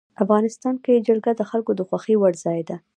افغانستان کې جلګه د خلکو د خوښې وړ ځای دی.